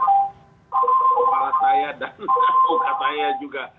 kopal saya dan muka saya juga